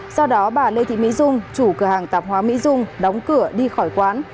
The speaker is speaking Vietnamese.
sau đó bà lê thị mỹ dung chủ cửa hàng tạp hóa mỹ dung đóng cửa đi khỏi quán